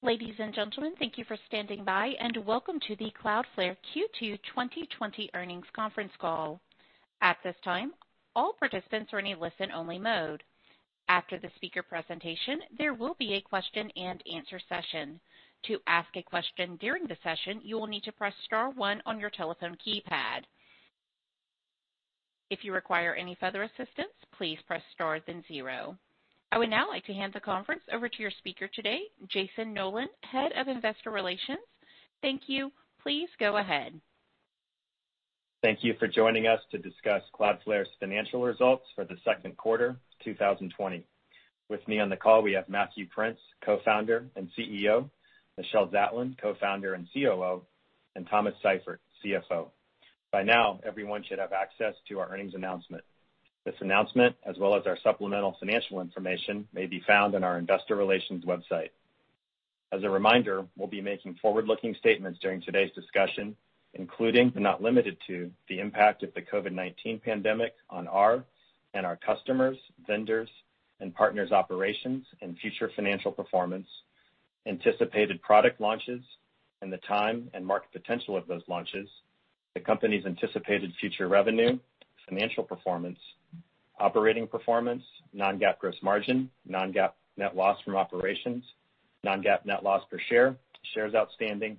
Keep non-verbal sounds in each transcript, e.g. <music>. Ladies and gentlemen, thank you for standing by, and welcome to the Cloudflare Q2 2020 earnings conference call. At this time, all participants are in a listen only mode. After the speaker presentation, there will be a question and answer session. To ask a question during the session, you will need to press star one on your telephone keypad. If you require any further assistance, please press star then zero. I would now like to hand the conference over to your speaker today, Jayson Noland, Head of Investor Relations. Thank you. Please go ahead. Thank you for joining us to discuss Cloudflare's financial results for the second quarter 2020. With me on the call, we have Matthew Prince, Co-Founder and CEO, Michelle Zatlyn, Co-Founder and COO, and Thomas Seifert, CFO. By now, everyone should have access to our earnings announcement. This announcement, as well as our supplemental financial information, may be found on our investor relations website. As a reminder, we'll be making forward-looking statements during today's discussion, including, but not limited to, the impact of the COVID-19 pandemic on our and our customers, vendors, and partners operations and future financial performance, anticipated product launches, and the time and market potential of those launches, the company's anticipated future revenue, financial performance, operating performance, non-GAAP gross margin, non-GAAP net loss from operations, non-GAAP net loss per share, shares outstanding,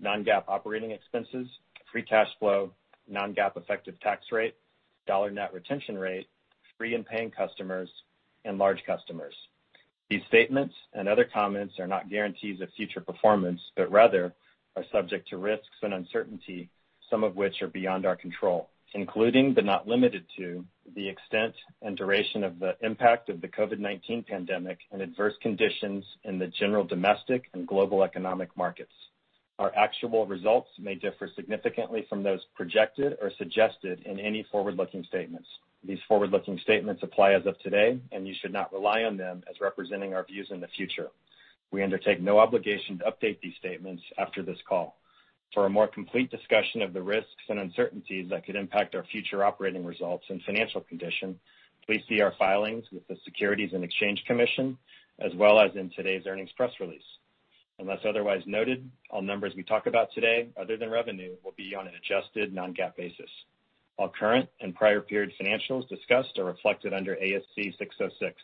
non-GAAP operating expenses, free cash flow, non-GAAP effective tax rate, dollar net retention rate, free and paying customers, and large customers. These statements and other comments are not guarantees of future performance, but rather are subject to risks and uncertainty, some of which are beyond our control, including, but not limited to, the extent and duration of the impact of the COVID-19 pandemic and adverse conditions in the general domestic and global economic markets. Our actual results may differ significantly from those projected or suggested in any forward-looking statements. These forward-looking statements apply as of today, and you should not rely on them as representing our views in the future. We undertake no obligation to update these statements after this call. For a more complete discussion of the risks and uncertainties that could impact our future operating results and financial condition, please see our filings with the Securities and Exchange Commission, as well as in today's earnings press release. Unless otherwise noted, all numbers we talk about today, other than revenue, will be on an adjusted non-GAAP basis. All current and prior period financials discussed are reflected under ASC 606.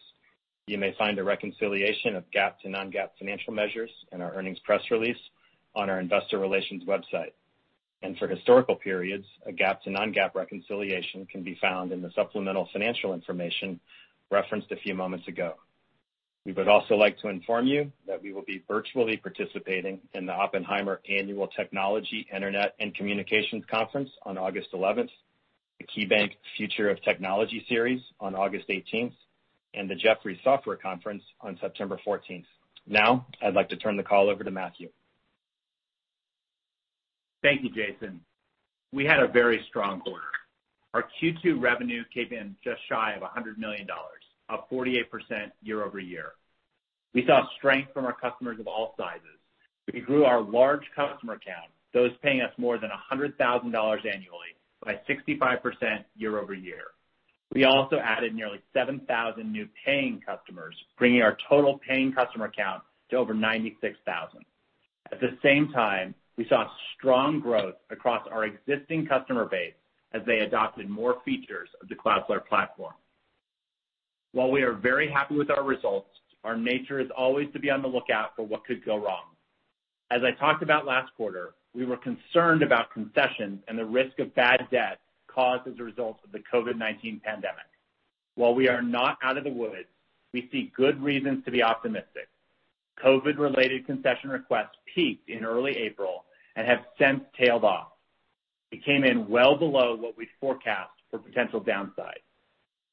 You may find a reconciliation of GAAP to non-GAAP financial measures in our earnings press release on our investor relations website. For historical periods, a GAAP to non-GAAP reconciliation can be found in the supplemental financial information referenced a few moments ago. We would also like to inform you that we will be virtually participating in the Oppenheimer Annual Technology, Internet, and Communications Conference on August 11th, the KeyBanc Future of Technology Series on August 18th, and the Jefferies Software Conference on September 14th. Now, I'd like to turn the call over to Matthew. Thank you, Jayson. We had a very strong quarter. Our Q2 revenue came in just shy of $100 million, up 48% year-over-year. We saw strength from our customers of all sizes. We grew our large customer count, those paying us more than $100,000 annually, by 65% year-over-year. We also added nearly 7,000 new paying customers, bringing our total paying customer count to over 96,000. At the same time, we saw strong growth across our existing customer base as they adopted more features of the Cloudflare platform. While we are very happy with our results, our nature is always to be on the lookout for what could go wrong. As I talked about last quarter, we were concerned about concessions and the risk of bad debt caused as a result of the COVID-19 pandemic. While we are not out of the woods, we see good reasons to be optimistic. COVID-related concession requests peaked in early April and have since tailed off. It came in well below what we'd forecast for potential downside.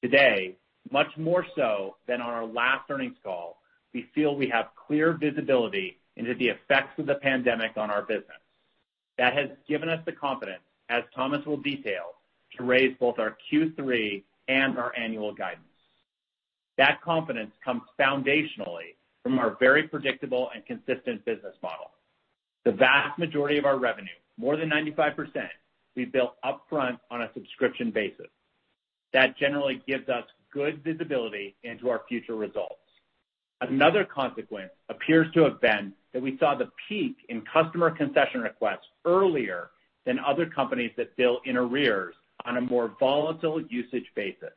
Today, much more so than on our last earnings call, we feel we have clear visibility into the effects of the pandemic on our business. That has given us the confidence, as Thomas will detail, to raise both our Q3 and our annual guidance. That confidence comes foundationally from our very predictable and consistent business model. The vast majority of our revenue, more than 95%, we bill upfront on a subscription basis. That generally gives us good visibility into our future results. Another consequence appears to have been that we saw the peak in customer concession requests earlier than other companies that bill in arrears on a more volatile usage basis.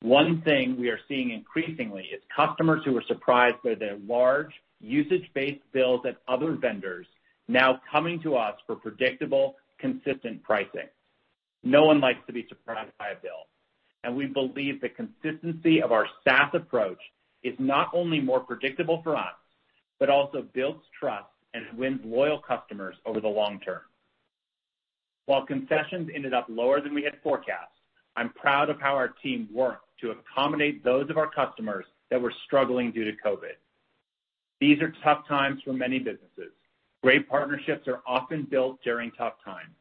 One thing we are seeing increasingly is customers who were surprised by their large usage-based bills at other vendors now coming to us for predictable, consistent pricing. No one likes to be surprised by a bill, and we believe the consistency of our SaaS approach is not only more predictable for us, but also builds trust and wins loyal customers over the long term. While concessions ended up lower than we had forecast, I'm proud of how our team worked to accommodate those of our customers that were struggling due to COVID. These are tough times for many businesses. Great partnerships are often built during tough times.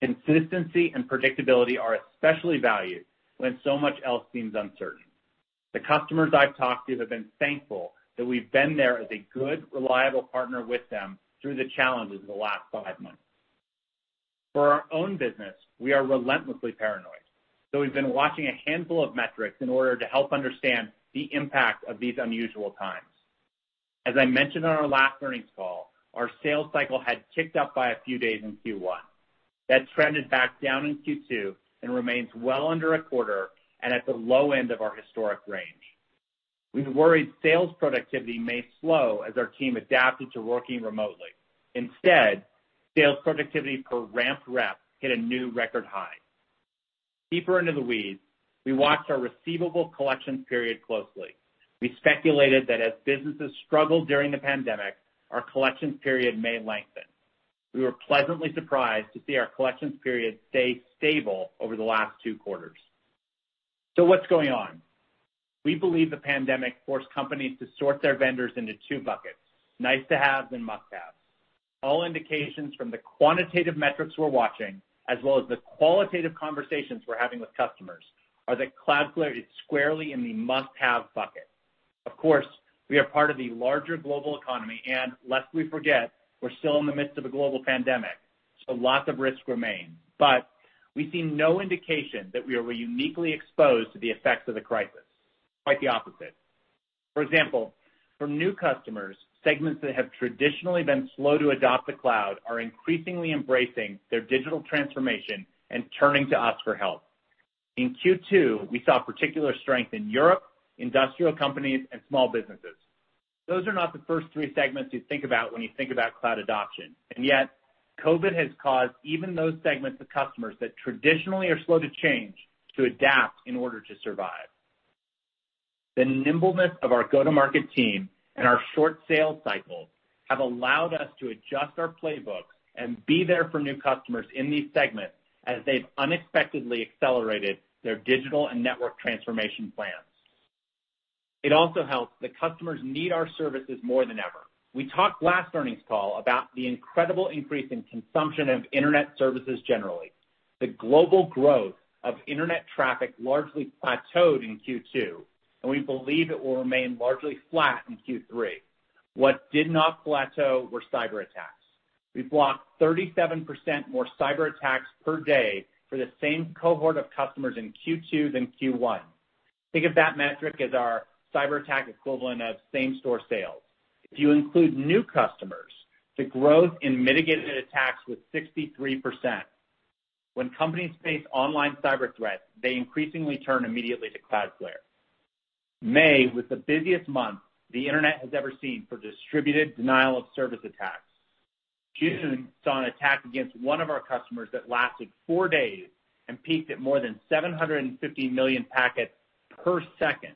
Consistency and predictability are especially valued when so much else seems uncertain. The customers I've talked to have been thankful that we've been there as a good, reliable partner with them through the challenges of the last five months. For our own business, we are relentlessly paranoid. We've been watching a handful of metrics in order to help understand the impact of these unusual times. As I mentioned on our last earnings call, our sales cycle had ticked up by a few days in Q1. That trended back down in Q2 and remains well under a quarter and at the low end of our historic range. We've worried sales productivity may slow as our team adapted to working remotely. Instead, sales productivity per ramped rep hit a new record high. Deeper into the weeds, we watched our receivable collections period closely. We speculated that as businesses struggled during the pandemic, our collections period may lengthen. We were pleasantly surprised to see our collections period stay stable over the last two quarters. What's going on? We believe the pandemic forced companies to sort their vendors into two buckets, nice to have and must-have. All indications from the quantitative metrics we're watching, as well as the qualitative conversations we're having with customers, are that Cloudflare is squarely in the must-have bucket. Of course, we are part of the larger global economy, and lest we forget, we're still in the midst of a global pandemic, lots of risks remain. We see no indication that we are uniquely exposed to the effects of the crisis. Quite the opposite. For example, from new customers, segments that have traditionally been slow to adopt the cloud are increasingly embracing their digital transformation and turning to us for help. In Q2, we saw particular strength in Europe, industrial companies, and small businesses. Those are not the first three segments you think about when you think about cloud adoption. COVID has caused even those segments of customers that traditionally are slow to change to adapt in order to survive. The nimbleness of our go-to-market team and our short sales cycle have allowed us to adjust our playbook and be there for new customers in these segments as they've unexpectedly accelerated their digital and network transformation plans. It also helps that customers need our services more than ever. We talked last earnings call about the incredible increase in consumption of internet services generally. The global growth of internet traffic largely plateaued in Q2. We believe it will remain largely flat in Q3. What did not plateau were cyberattacks. We've blocked 37% more cyber attacks per day for the same cohort of customers in Q2 than Q1. Think of that metric as our cyber attack equivalent of same-store sales. If you include new customers, the growth in mitigated attacks was 63%. When companies face online cyber threats, they increasingly turn immediately to Cloudflare. May was the busiest month the internet has ever seen for distributed denial-of-service attacks. June saw an attack against one of our customers that lasted four days and peaked at more than 750 million packets per second.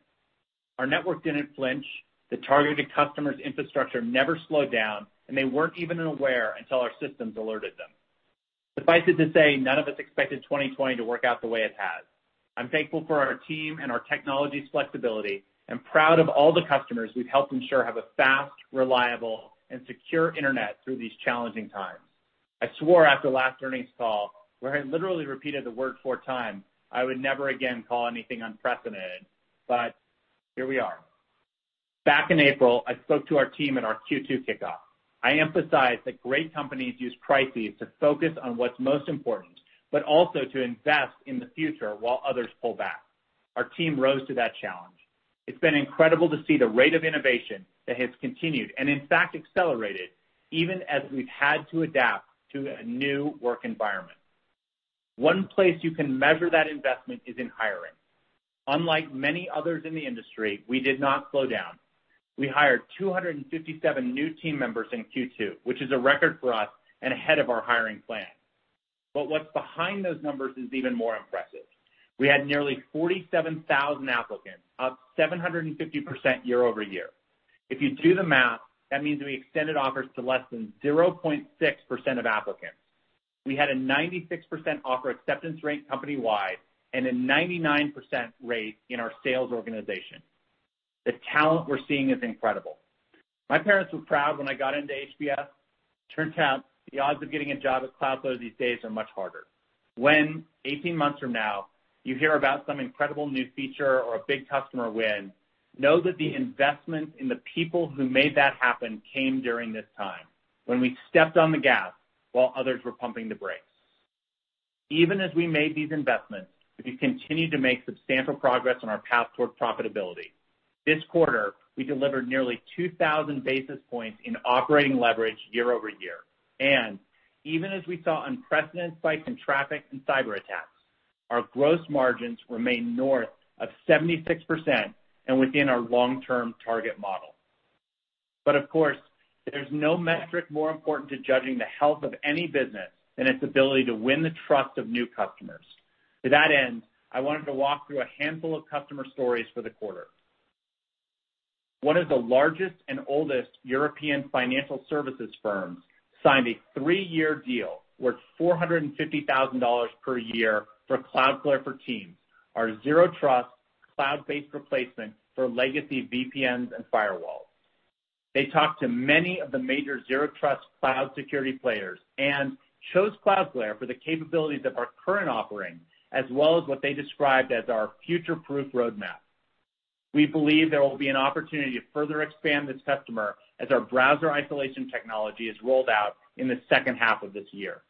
Our network didn't flinch, the targeted customer's infrastructure never slowed down, and they weren't even aware until our systems alerted them. Suffice it to say, none of us expected 2020 to work out the way it has. I'm thankful for our team and our technology's flexibility and proud of all the customers we've helped ensure have a fast, reliable, and secure internet through these challenging times. I swore after last earnings call, where I literally repeated the word four times, I would never again call anything unprecedented, but here we are. Back in April, I spoke to our team at our Q2 kickoff. I emphasized that great companies use crises to focus on what's most important, but also to invest in the future while others pull back. Our team rose to that challenge. It's been incredible to see the rate of innovation that has continued, and in fact, accelerated even as we've had to adapt to a new work environment. One place you can measure that investment is in hiring. Unlike many others in the industry, we did not slow down. We hired 257 new team members in Q2, which is a record for us and ahead of our hiring plan. What's behind those numbers is even more impressive. We had nearly 47,000 applicants, up 750% year-over-year. If you do the math, that means we extended offers to less than 0.6% of applicants. We had a 96% offer acceptance rate company-wide and a 99% rate in our sales organization. The talent we're seeing is incredible. My parents were proud when I got into HBS. Turns out the odds of getting a job at Cloudflare these days are much harder. When 18 months from now you hear about some incredible new feature or a big customer win, know that the investment in the people who made that happen came during this time, when we stepped on the gas while others were pumping the brakes. Even as we made these investments, we continued to make substantial progress on our path towards profitability. This quarter, we delivered nearly 2,000 basis points in operating leverage year-over-year. Even as we saw unprecedented spikes in traffic and cyber attacks, our gross margins remain north of 76% and within our long-term target model. Of course, there's no metric more important to judging the health of any business than its ability to win the trust of new customers. To that end, I wanted to walk through a handful of customer stories for the quarter. One of the largest and oldest European financial services firms signed a three-year deal worth $450,000 per year for Cloudflare for Teams, our Zero Trust cloud-based replacement for legacy VPNs and firewalls. They talked to many of the major Zero Trust cloud security players and chose Cloudflare for the capabilities of our current offering as well as what they described as our future-proof roadmap. We believe there will be an opportunity to further expand this customer as our Browser Isolation technology is rolled out in the second half of this year.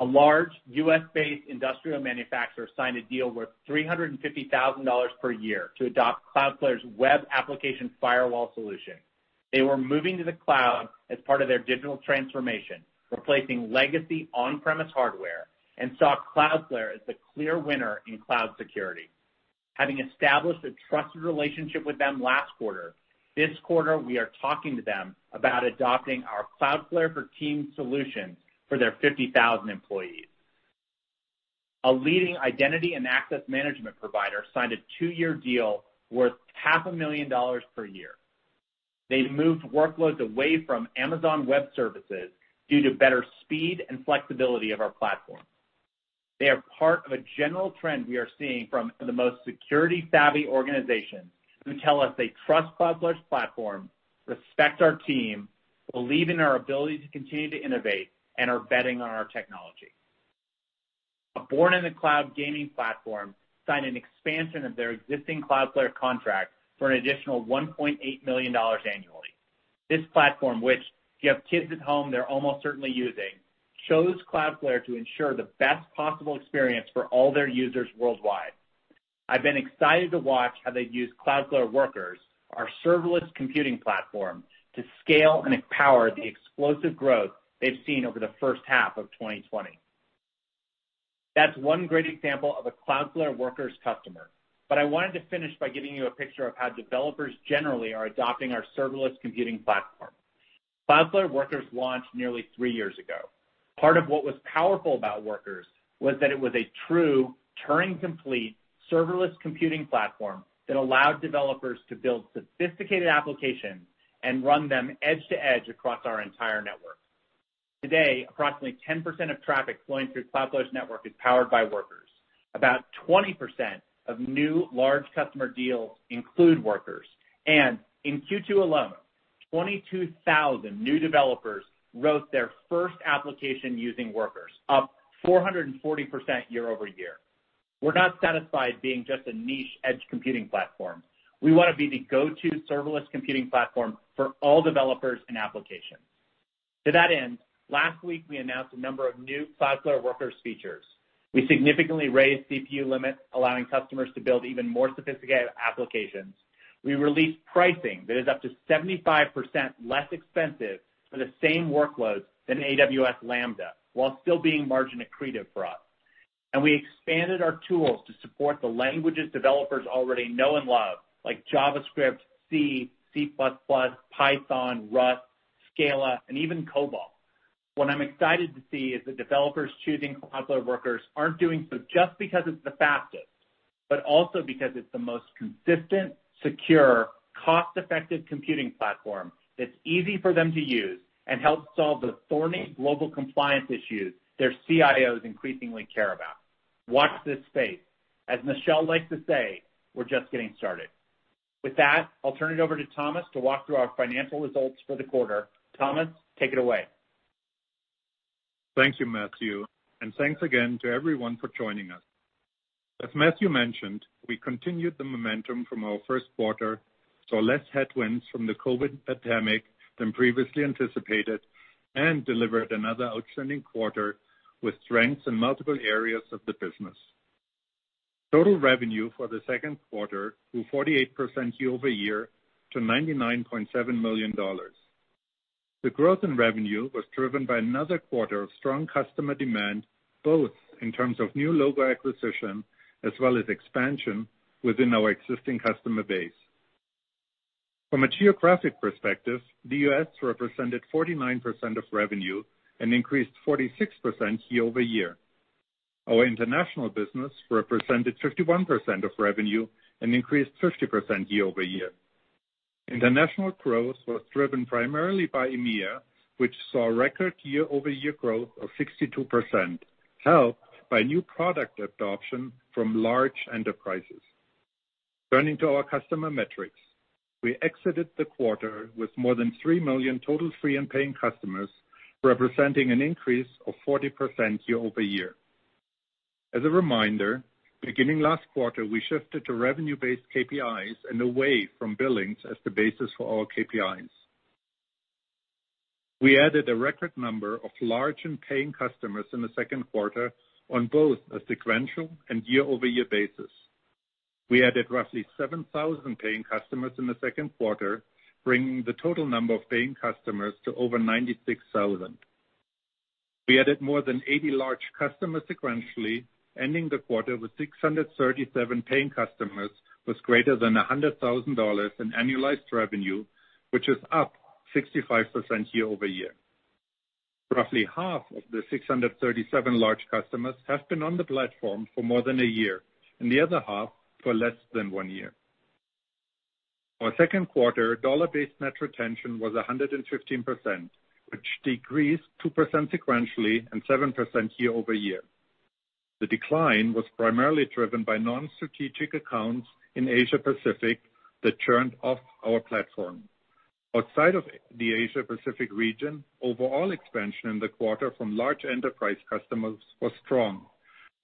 A large U.S.-based industrial manufacturer signed a deal worth $350,000 per year to adopt Cloudflare's Web Application Firewall solution. They were moving to the cloud as part of their digital transformation, replacing legacy on-premise hardware, and saw Cloudflare as the clear winner in cloud security. Having established a trusted relationship with them last quarter, this quarter, we are talking to them about adopting our Cloudflare for Teams solution for their 50,000 employees. A leading identity and access management provider signed a two-year deal worth $500,000 per year. They've moved workloads away from Amazon Web Services due to better speed and flexibility of our platform. They are part of a general trend we are seeing from the most security-savvy organizations who tell us they trust Cloudflare's platform, respect our team, believe in our ability to continue to innovate, and are betting on our technology. A born-in-the-cloud gaming platform signed an expansion of their existing Cloudflare contract for an additional $1.8 million annually. This platform, which if you have kids at home, they're almost certainly using, chose Cloudflare to ensure the best possible experience for all their users worldwide. I've been excited to watch how they've used Cloudflare Workers, our serverless computing platform, to scale and empower the explosive growth they've seen over the first half of 2020. That's one great example of a Cloudflare Workers customer, but I wanted to finish by giving you a picture of how developers generally are adopting our serverless computing platform. Cloudflare Workers launched nearly three years ago. Part of what was powerful about Workers was that it was a true Turing-complete, serverless computing platform that allowed developers to build sophisticated applications and run them edge to edge across our entire network. Today, approximately 10% of traffic flowing through Cloudflare's network is powered by Workers. About 20% of new large customer deals include Workers, and in Q2 alone, 22,000 new developers wrote their first application using Workers, up 440% year-over-year. We're not satisfied being just a niche edge computing platform. We want to be the go-to serverless computing platform for all developers and applications. To that end, last week, we announced a number of new Cloudflare Workers features. We significantly raised CPU limits, allowing customers to build even more sophisticated applications. We released pricing that is up to 75% less expensive for the same workloads than AWS Lambda while still being margin accretive for us. We expanded our tools to support the languages developers already know and love, like JavaScript, C++, Python, Rust, Scala, and even COBOL. What I'm excited to see is that developers choosing Cloudflare Workers aren't doing so just because it's the fastest, but also because it's the most consistent, secure, cost-effective computing platform that's easy for them to use and helps solve the thorny global compliance issues their CIOs increasingly care about. Watch this space. As Michelle likes to say, we're just getting started. With that, I'll turn it over to Thomas to walk through our financial results for the quarter. Thomas, take it away. Thank you, Matthew, and thanks again to everyone for joining us. As Matthew mentioned, we continued the momentum from our first quarter, saw less headwinds from the COVID pandemic than previously anticipated, and delivered another outstanding quarter with strengths in multiple areas of the business. Total revenue for the second quarter grew 48% year-over-year to $99.7 million. The growth in revenue was driven by another quarter of strong customer demand, both in terms of new logo acquisition as well as expansion within our existing customer base. From a geographic perspective, the U.S. represented 49% of revenue and increased 46% year-over-year. Our international business represented 51% of revenue and increased 50% year-over-year. International growth was driven primarily by EMEA, which saw record year-over-year growth of 62%, helped by new product adoption from large enterprises. Turning to our customer metrics, we exited the quarter with more than three million total free and paying customers, representing an increase of 40% year-over-year. As a reminder, beginning last quarter, we shifted to revenue-based KPIs and away from billings as the basis for all KPIs. We added a record number of large and paying customers in the second quarter on both a sequential and year-over-year basis. We added roughly 7,000 paying customers in the second quarter, bringing the total number of paying customers to over 96,000. We added more than 80 large customers sequentially, ending the quarter with 637 paying customers with greater than $100,000 in annualized revenue, which is up 65% year-over-year. Roughly half of the 637 large customers have been on the platform for more than a year, and the other half for less than one year. Our second quarter dollar-based net retention was 115%, which decreased 2% sequentially and 7% year-over-year. The decline was primarily driven by non-strategic accounts in Asia Pacific that churned off our platform. Outside of the Asia Pacific region, overall expansion in the quarter from large enterprise customers was strong,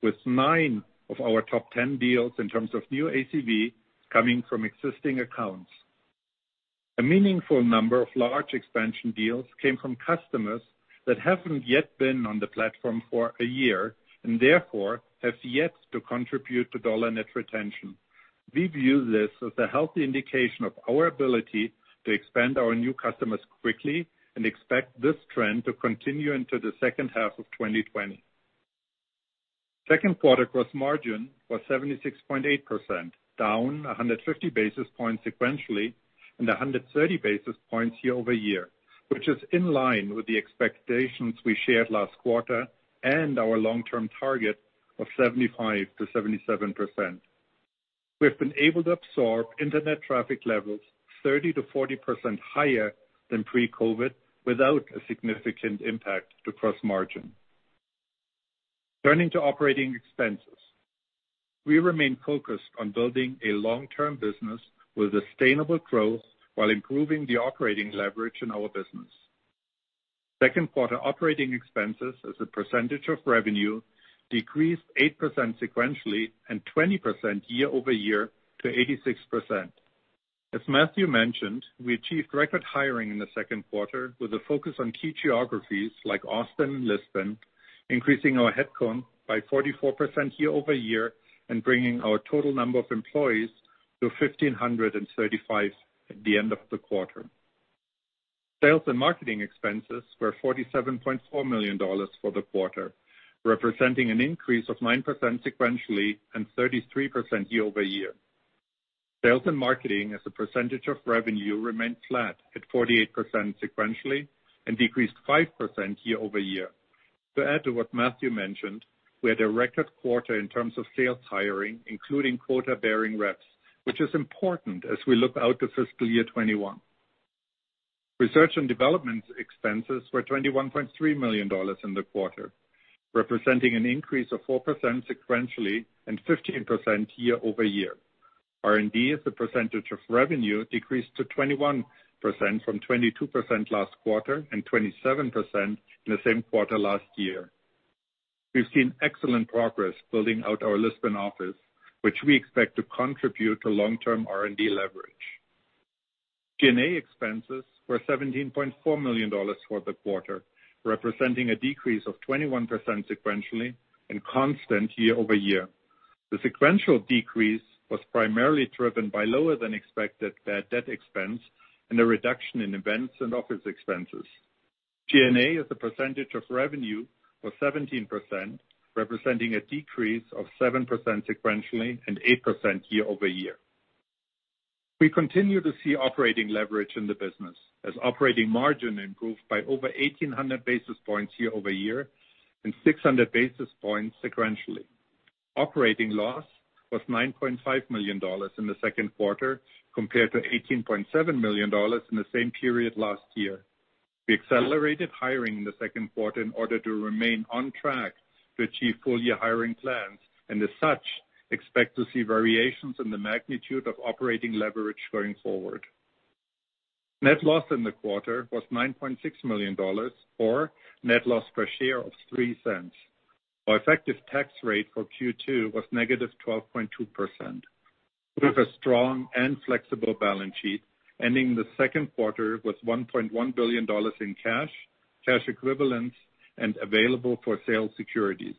with nine of our top 10 deals in terms of new ACV coming from existing accounts. A meaningful number of large expansion deals came from customers that haven't yet been on the platform for a year, and therefore, have yet to contribute to dollar net retention. We view this as a healthy indication of our ability to expand our new customers quickly and expect this trend to continue into the second half of 2020. Second quarter gross margin was 76.8%, down 150 basis points sequentially and 130 basis points year-over-year, which is in line with the expectations we shared last quarter and our long-term target of 75%-77%. We've been able to absorb internet traffic levels 30%-40% higher than pre-COVID without a significant impact to gross margin. Turning to operating expenses. We remain focused on building a long-term business with sustainable growth while improving the operating leverage in our business. Second quarter operating expenses as a percentage of revenue decreased 8% sequentially and 20% year-over-year to 86%. As Matthew mentioned, we achieved record hiring in the second quarter with a focus on key geographies like Austin and Lisbon, increasing our headcount by 44% year-over-year and bringing our total number of employees to 1,535 at the end of the quarter. Sales and marketing expenses were $47.4 million for the quarter, representing an increase of 9% sequentially and 33% year-over-year. Sales and marketing as a percentage of revenue remained flat at 48% sequentially and decreased 5% year-over-year. To add to what Matthew mentioned, we had a record quarter in terms of sales hiring, including quota-bearing reps, which is important as we look out to fiscal year 2021. Research and development expenses were $21.3 million in the quarter, representing an increase of 4% sequentially and 15% year-over-year. R&D as a percentage of revenue decreased to 21% from 22% last quarter and 27% in the same quarter last year. We've seen excellent progress building out our Lisbon office, which we expect to contribute to long-term R&D leverage. G&A expenses were $17.4 million for the quarter, representing a decrease of 21% sequentially and constant year-over-year. The sequential decrease was primarily driven by lower than expected bad debt expense and a reduction in events and office expenses. G&A as a percentage of revenue was 17%, representing a decrease of 7% sequentially and 8% year-over-year. We continue to see operating leverage in the business, as operating margin improved by over 1,800 basis points year-over-year and 600 basis points sequentially. Operating loss was $9.5 million in the second quarter compared to $18.7 million in the same period last year. We accelerated hiring in the second quarter in order to remain on track to achieve full-year hiring plans, and as such, expect to see variations in the magnitude of operating leverage going forward. Net loss in the quarter was $9.6 million, or net loss per share of $0.03. Our effective tax rate for Q2 was -12.2%. We have a strong and flexible balance sheet, ending the second quarter with $1.1 billion in cash equivalents, and available-for-sale securities.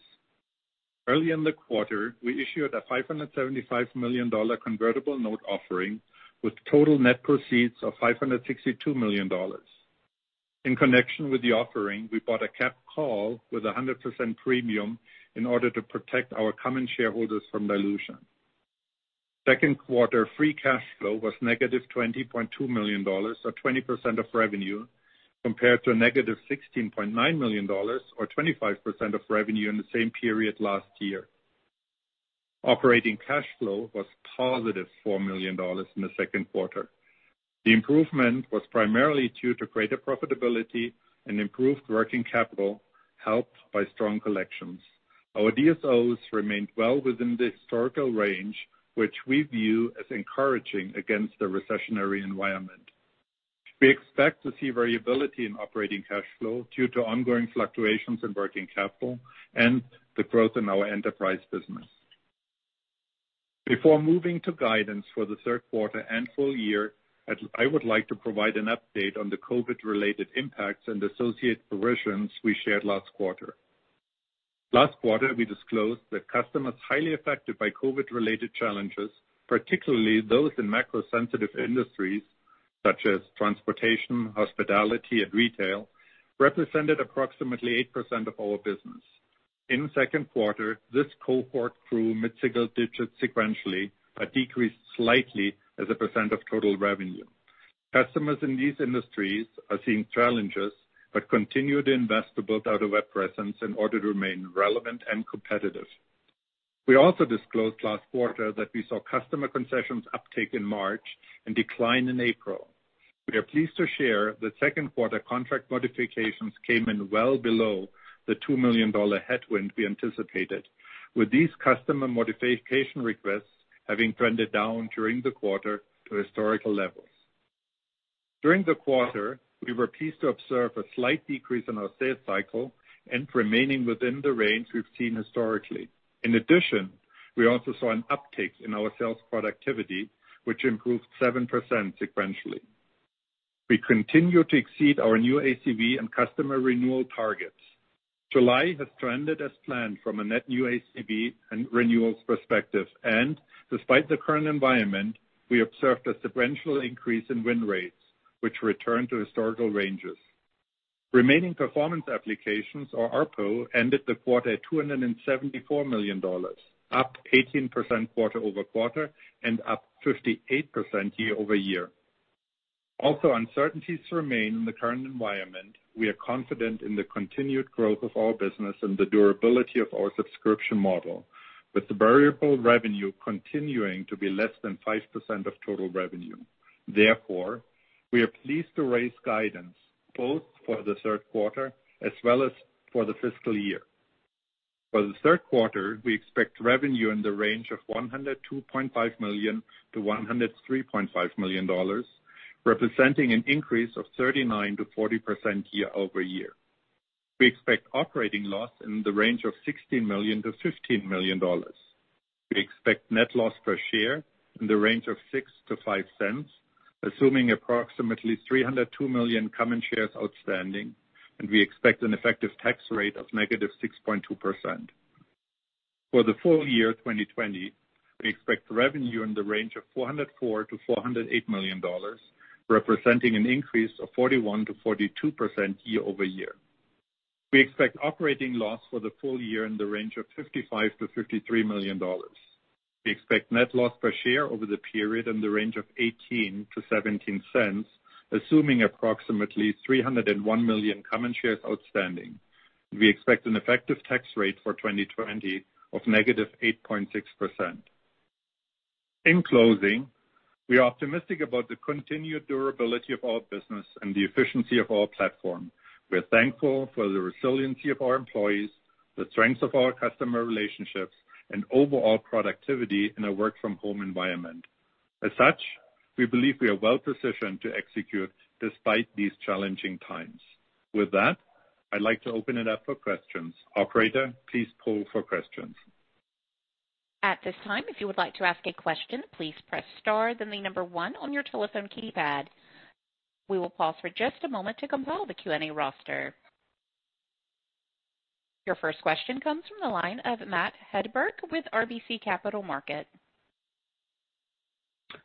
Early in the quarter, we issued a $575 million convertible note offering with total net proceeds of $562 million. In connection with the offering, we bought a capped call with 100% premium in order to protect our common shareholders from dilution. Second quarter free cash flow was -$20.2 million or 20% of revenue, compared to a -$16.9 million or 25% of revenue in the same period last year. Operating cash flow was +$4 million in the second quarter. The improvement was primarily due to greater profitability and improved working capital, helped by strong collections. Our DSOs remained well within the historical range, which we view as encouraging against a recessionary environment. We expect to see variability in operating cash flow due to ongoing fluctuations in working capital and the growth in our enterprise business. Before moving to guidance for the third quarter and full year, I would like to provide an update on the COVID-related impacts and associated provisions we shared last quarter. Last quarter, we disclosed that customers highly affected by COVID-related challenges, particularly those in macro-sensitive industries such as transportation, hospitality, and retail, represented approximately 8% of our business. In the second quarter, this cohort grew mid-single digits sequentially, decreased slightly as a percent of total revenue. Customers in these industries are seeing challenges but continue to invest to build out a web presence in order to remain relevant and competitive. We also disclosed last quarter that we saw customer concessions uptake in March and decline in April. We are pleased to share that second quarter contract modifications came in well below the $2 million headwind we anticipated, with these customer modification requests having trended down during the quarter to historical levels. During the quarter, we were pleased to observe a slight decrease in our sales cycle and remaining within the range we've seen historically. In addition, we also saw an uptick in our sales productivity, which improved 7% sequentially. We continue to exceed our new ACV and customer renewal targets. Despite the current environment, July has trended as planned from a net new ACV and renewals perspective, and we observed a sequential increase in win rates, which returned to historical ranges. Remaining Performance Obligations, or RPO, ended the quarter at $274 million, up 18% quarter-over-quarter and up 58% year-over-year. Uncertainties remain in the current environment. We are confident in the continued growth of our business and the durability of our subscription model, with the variable revenue continuing to be less than 5% of total revenue. We are pleased to raise guidance both for the third quarter as well as for the fiscal year. For the third quarter, we expect revenue in the range of $102.5 million-$103.5 million, representing an increase of 39%-40% year-over-year. We expect operating loss in the range of $16 million-$15 million. We expect net loss per share in the range of $0.06-$0.05, assuming approximately 302 million common shares outstanding, and we expect an effective tax rate of -6.2%. For the full year 2020, we expect revenue in the range of $404 million-$408 million, representing an increase of 41%-42% year-over-year. We expect operating loss for the full year in the range of $55 million-$53 million. We expect net loss per share over the period in the range of $0.18-$0.17, assuming approximately 301 million common shares outstanding. We expect an effective tax rate for 2020 of -8.6%. In closing, we are optimistic about the continued durability of our business and the efficiency of our platform. We're thankful for the resiliency of our employees, the strength of our customer relationships, and overall productivity in a work-from-home environment. We believe we are well-positioned to execute despite these challenging times. With that, I'd like to open it up for questions. Operator, please poll for questions. At this time, if you like to ask a question please press star then one on your telephone keypad. We will pause for just a moment to compile Q&A roster. Your first question comes from the line of Matt Hedberg with RBC Capital Markets.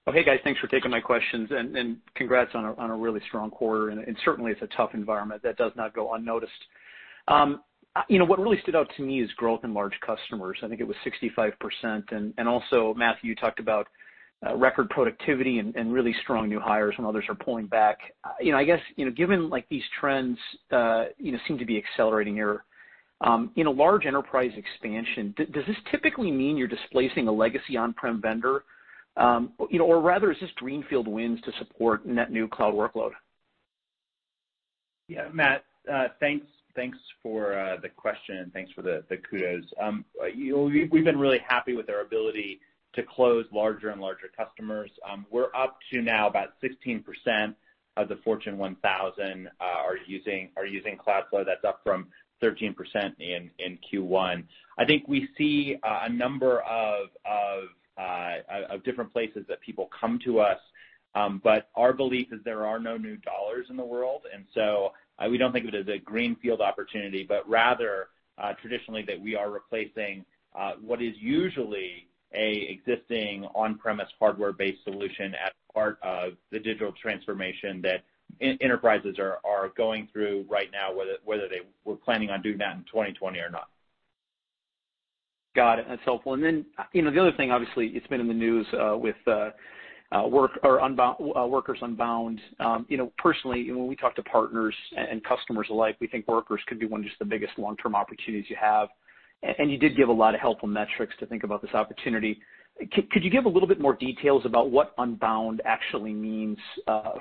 Well, hey, guys. Thanks for taking my questions. Congrats on a really strong quarter. Certainly it's a tough environment. That does not go unnoticed. What really stood out to me is growth in large customers. I think it was 65%. Also, Matthew, you talked about record productivity and really strong new hires when others are pulling back. I guess, given these trends seem to be accelerating here, in a large enterprise expansion, does this typically mean you're displacing a legacy on-prem vendor? Or rather, is this greenfield wins to support net new cloud workload? Yeah, Matt. Thanks for the question and thanks for the kudos. We've been really happy with our ability to close larger and larger customers. We're up to now about 16% of the Fortune 1000 are using Cloudflare. That's up from 13% in Q1. I think we see a number of different places that people come to us, but our belief is there are no new dollars in the world. We don't think of it as a greenfield opportunity, but rather traditionally that we are replacing what is usually an existing on-premise hardware-based solution as part of the digital transformation that enterprises are going through right now, whether they were planning on doing that in 2020 or not. Got it. That's helpful. The other thing, obviously, it's been in the news with Workers Unbound. Personally, when we talk to partners and customers alike, we think Workers could be one of just the biggest long-term opportunities you have. You did give a lot of helpful metrics to think about this opportunity. Could you give a little bit more details about what Unbound actually means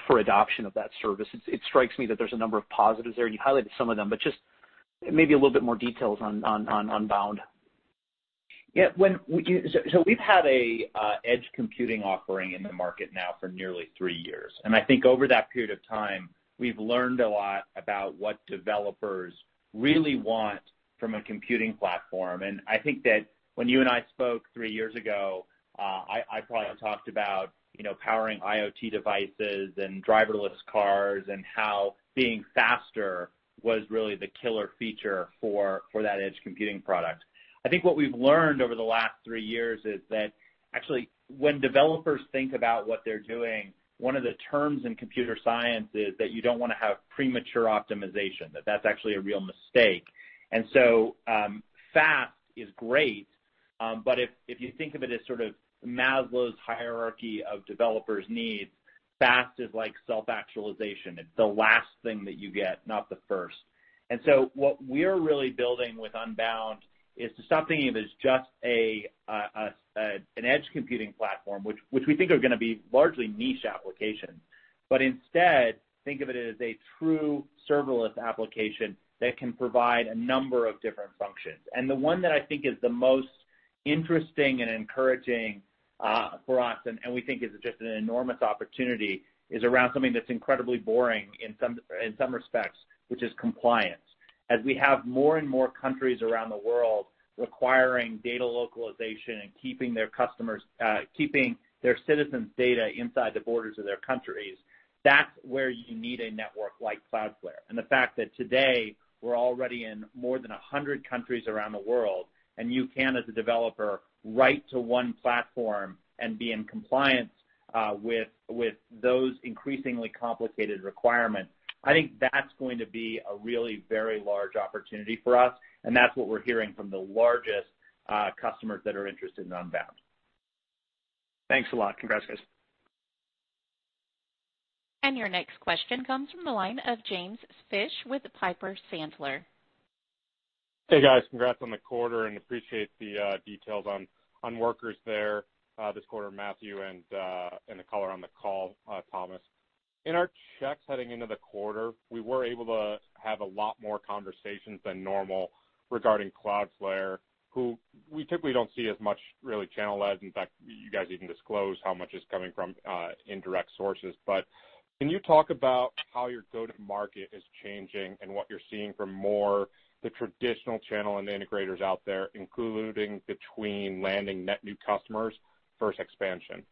for adoption of that service? It strikes me that there's a number of positives there, and you highlighted some of them, just maybe a little bit more details on Unbound. Yeah. We've had an edge computing offering in the market now for nearly three years. I think over that period of time, we've learned a lot about what developers really want from a computing platform. I think that when you and I spoke three years ago, I probably talked about powering IoT devices and driverless cars, and how being faster was really the killer feature for that edge computing product. I think what we've learned over the last three years is that actually, when developers think about what they're doing, one of the terms in computer science is that you don't want to have premature optimization, that that's actually a real mistake. Fast is great. If you think of it as sort of Maslow's hierarchy of developers' needs, fast is like self-actualization. It's the last thing that you get, not the first. What we're really building with Unbound is to stop thinking of it as just an edge computing platform, which we think are going to be largely niche applications. Instead, think of it as a true serverless application that can provide a number of different functions. The one that I think is the most interesting and encouraging for us, and we think is just an enormous opportunity, is around something that's incredibly boring in some respects, which is compliance. As we have more and more countries around the world requiring data localization and keeping their citizens' data inside the borders of their countries, that's where you need a network like Cloudflare. The fact that today we're already in more than 100 countries around the world, and you can, as a developer, write to one platform and be in compliance with those increasingly complicated requirements. I think that's going to be a really very large opportunity for us, and that's what we're hearing from the largest customers that are interested in Unbound. Thanks a lot. Congrats, guys. Your next question comes from the line of James Fish with Piper Sandler. Hey, guys. Congrats on the quarter, and appreciate the details on Workers there this quarter, Matthew, and the color on the call, Thomas. In our checks heading into the quarter, we were able to have a lot more conversations than normal regarding Cloudflare, who we typically don't see as much really channel as. In fact, you guys even disclose how much is coming from indirect sources. Can you talk about how your go-to-market is changing and what you're seeing from more the traditional channel and the integrators out there, including between landing net new customers versus expansion? Yeah.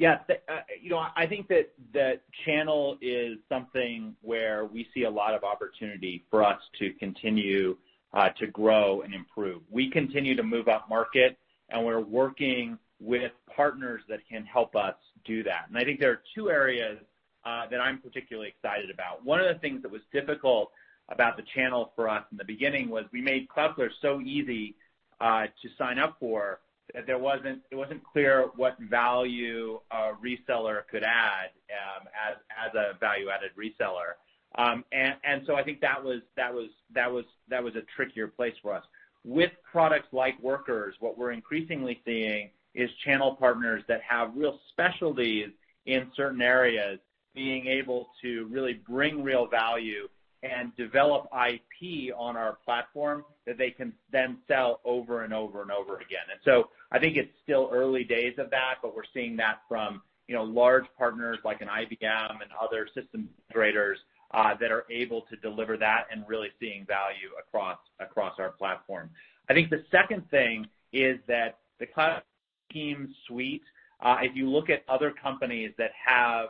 I think that channel is something where we see a lot of opportunity for us to continue to grow and improve. We continue to move upmarket, and we're working with partners that can help us do that. I think there are two areas that I'm particularly excited about. One of the things that was difficult about the channel for us in the beginning was we made Cloudflare so easy to sign up for, that it wasn't clear what value a reseller could add as a value-added reseller. I think that was a trickier place for us. With products like Workers, what we're increasingly seeing is channel partners that have real specialties in certain areas, being able to really bring real value and develop IP on our platform that they can then sell over and over and over again. I think it's still early days of that, but we're seeing that from large partners like an IBM and other system integrators that are able to deliver that and really seeing value across our platform. I think the second thing is that the Cloudflare for Teams suite, if you look at other companies that have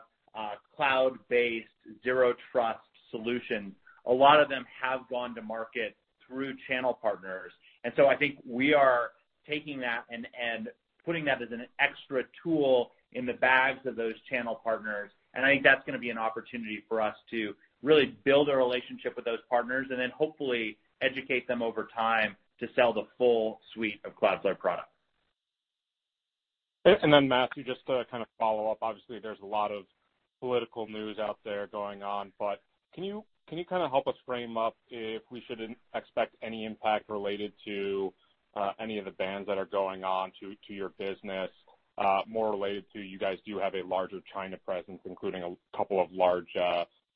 cloud-based, Zero Trust solutions, a lot of them have gone to market through channel partners. I think we are taking that and putting that as an extra tool in the bags of those channel partners, and I think that's going to be an opportunity for us to really build a relationship with those partners and then hopefully educate them over time to sell the full suite of Cloudflare products. Matthew, just to kind of follow up, obviously, there's a lot of political news out there going on, but can you kind of help us frame up if we should expect any impact related to any of the bans that are going on to your business? More related to you guys do have a larger China presence, including a couple of large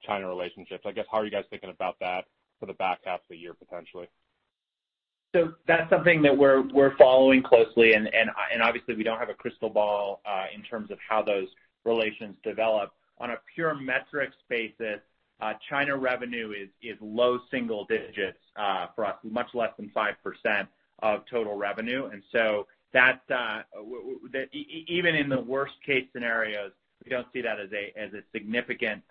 China relationships. I guess, how are you guys thinking about that for the back half of the year, potentially? That's something that we're following closely, and obviously, we don't have a crystal ball in terms of how those relations develop. On a pure metrics basis, China revenue is low single digits for us, much less than 5% of total revenue. Even in the worst case scenarios, we don't see that as a significant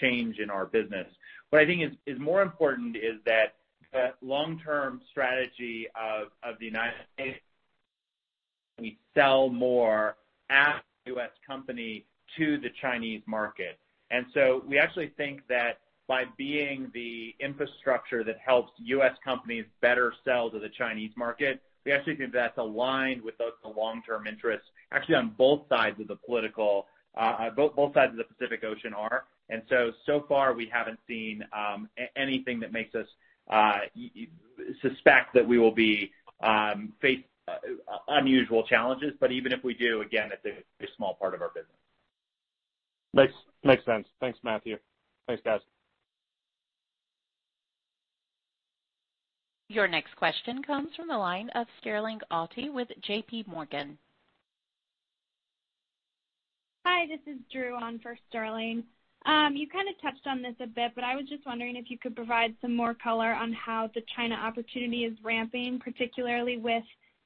change in our business. What I think is more important is that the long-term strategy of the United we sell more as a U.S. company to the Chinese market. We actually think that by being the infrastructure that helps U.S. companies better sell to the Chinese market, we actually think that's aligned with those long-term interests, actually on both sides of the Pacific Ocean. So far, we haven't seen anything that makes us suspect that we will face unusual challenges. Even if we do, again, it's a very small part of our business. Makes sense. Thanks, Matthew. Thanks, guys. Your next question comes from the line of Sterling Auty with JPMorgan. Hi, this is Drew on for Sterling. You kind of touched on this a bit, but I was just wondering if you could provide some more color on how the China opportunity is ramping, particularly with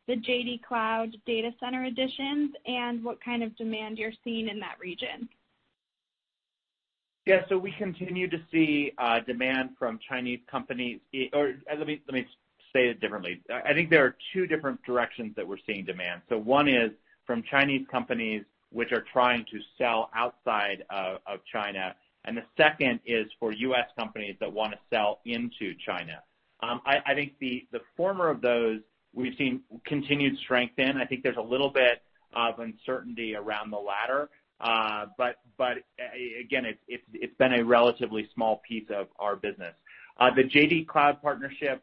the JD Cloud data center additions, and what kind of demand you're seeing in that region. Yeah. We continue to see demand from Chinese companies, or let me say it differently. I think there are two different directions that we're seeing demand. One is from Chinese companies which are trying to sell outside of China, and the second is for U.S. companies that want to sell into China. I think the former of those, we've seen continued strength in. I think there's a little bit of uncertainty around the latter. Again, it's been a relatively small piece of our business. The JD Cloud partnership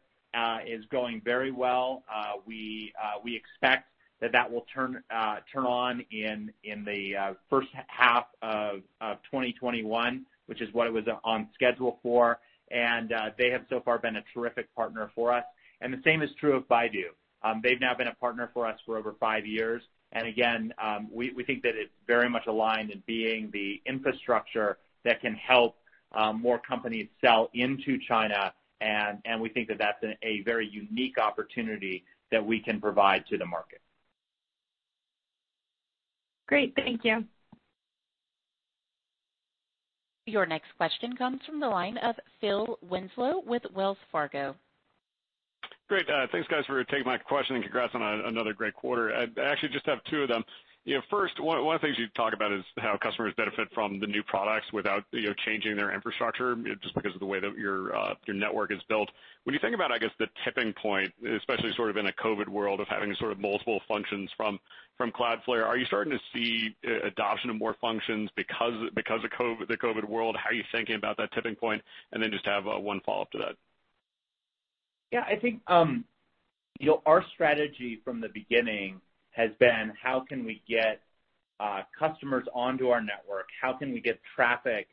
is going very well. We expect that that will turn on in the first half of 2021, which is what it was on schedule for. They have so far been a terrific partner for us. The same is true of Baidu. They've now been a partner for us for over five years. Again, we think that it's very much aligned in being the infrastructure that can help more companies sell into China. We think that that's a very unique opportunity that we can provide to the market. Great. Thank you. Your next question comes from the line of Phil Winslow with Wells Fargo. Great. Thanks guys for taking my question and congrats on another great quarter. I actually just have two of them. First, one of the things you talk about is how customers benefit from the new products without changing their infrastructure, just because of the way that your network is built. When you think about, I guess, the tipping point, especially sort of in a COVID world of having sort of multiple functions from Cloudflare, are you starting to see adoption of more functions because of the COVID world? How are you thinking about that tipping point? Just have one follow-up to that. I think our strategy from the beginning has been how can we get customers onto our network, how can we get traffic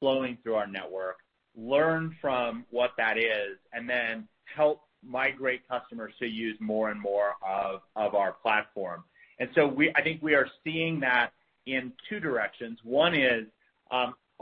flowing through our network, learn from what that is, and then help migrate customers to use more and more of our platform. I think we are seeing that in two directions. One is,